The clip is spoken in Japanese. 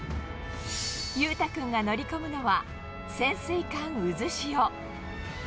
裕太君が乗り込むのは、潜水艦うずしお。